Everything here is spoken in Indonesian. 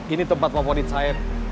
ini tempat pampauan insahid